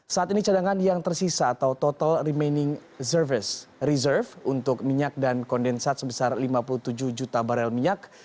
saat ini cadangan yang tersisa atau total remaining service reserve untuk minyak dan kondensat sebesar lima puluh tujuh juta barel minyak